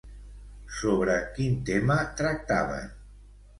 Sobre quin tema tractaven?